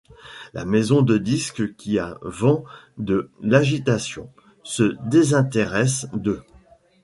La maison de disques, qui a vent de l'agitation, se désintéresse d'eux.